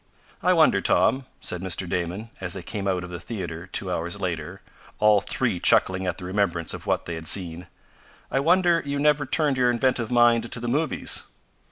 "I wonder, Tom," said Mr. Damon, as they came out of the theater two hours later, all three chuckling at the remembrance of what they had seen, "I wonder you never turned your inventive mind to the movies."